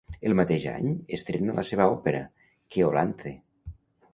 El mateix any, estrena la seva òpera, "Keolanthe".